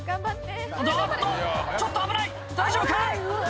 ああっと、ちょっと危ない、大丈夫か？